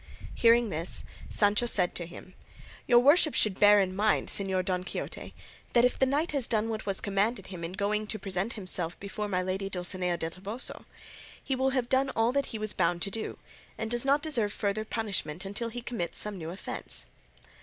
Hearing this, Sancho said to him, "Your worship should bear in mind, Señor Don Quixote, that if the knight has done what was commanded him in going to present himself before my lady Dulcinea del Toboso, he will have done all that he was bound to do, and does not deserve further punishment unless he commits some new offence."